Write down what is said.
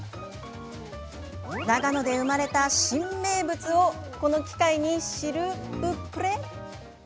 長野で生まれたシン名物をこの機会に、知るブ・プレ？